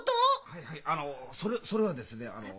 はいはいあのそれはですねあの。